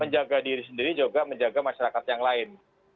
menjaga diri sendiri juga menjaga masyarakat yang lain